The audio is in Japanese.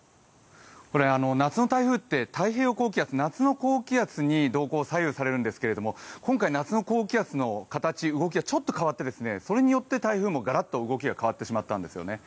夏の台風って太平洋高気圧、夏の高気圧に動向を左右されるんですけれども、今回夏の高気圧の形、動きがちょっと変わって、それによって台風もガラッと動きが変わってしまったんですよね。